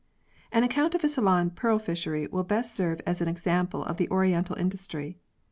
AN account of a Ceylon pearl fishery will best serve as an example of the oriental industry.